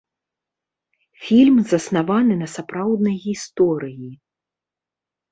Фільм заснаваны на сапраўднай гісторыі.